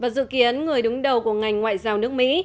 và dự kiến người đúng đầu của ngành ngoại giao nước mỹ